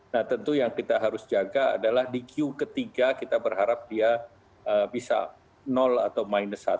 nah tentu yang kita harus jaga adalah di q ketiga kita berharap dia bisa atau minus satu